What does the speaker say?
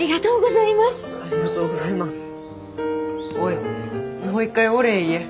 おいもう一回お礼言え。